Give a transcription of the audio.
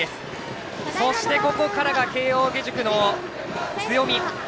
そして、ここからが慶応義塾の強み。